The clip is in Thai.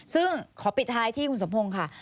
ซึ่งขอปิดท้ายที่คุณสมพงศ์ค่ะ